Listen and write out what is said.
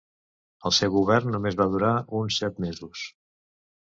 El seu govern només va durar uns set mesos.